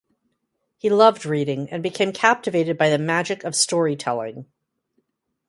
He loved reading and became captivated by the magic of storytelling.